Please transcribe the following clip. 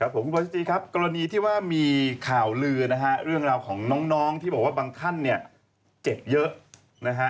ครับผมคุณบอสจีครับกรณีที่ว่ามีข่าวลือนะฮะเรื่องราวของน้องที่บอกว่าบางท่านเนี่ยเจ็บเยอะนะฮะ